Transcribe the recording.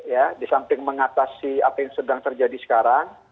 ya di samping mengatasi apa yang sedang terjadi sekarang